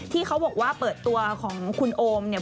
ที่เขาบอกว่าเปิดตัวของคุณโอมเนี่ย